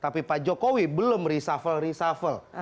tapi pak jokowi belum reshuffle reshuffle